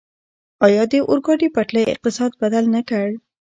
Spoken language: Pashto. آیا د اورګاډي پټلۍ اقتصاد بدل نه کړ؟